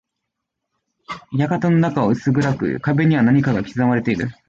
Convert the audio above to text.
館の中は薄暗く、壁には何かが刻まれている。